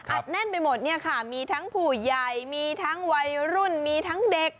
แน่นไปหมดเนี่ยค่ะมีทั้งผู้ใหญ่มีทั้งวัยรุ่นมีทั้งเด็ก